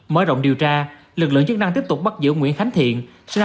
mở rộng điều tra lực lượng chức năng tiếp tục bắt giữ nguyễn khánh thiện